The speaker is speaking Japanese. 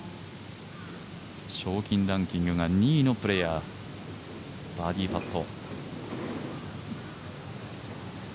賞金ランキングが２位のプレーヤー、バーディーパット。